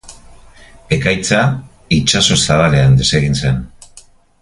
Ekaitza itsaso zabalean desegin zen.